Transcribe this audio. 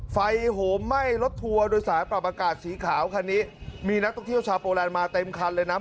โหมไหม้รถทัวร์โดยสารปรับอากาศสีขาวคันนี้มีนักท่องเที่ยวชาวโปรแลนดมาเต็มคันเลยนะ